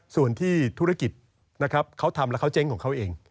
ส่วนที่ธุรกิจเขาทำและเขาเจ๊งของเขาเอง